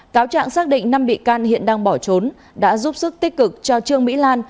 cáo trạng xác định năm bị can hiện đang bỏ trốn đã giúp sức tích cực cho trương mỹ lan